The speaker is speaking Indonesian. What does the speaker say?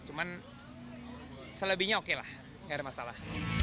cuman selebihnya oke lah gak ada masalah